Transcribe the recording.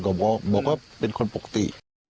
กว่าว่าถึงคนปกติ